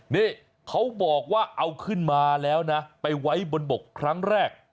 นี่เขาบอกว่าเอาขึ้นมาแล้วนะไปไว้บนบกครั้งแรก